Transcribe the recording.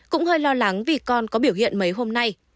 cũng hơi lo lắng vì con có biểu hiện mấy hôm nay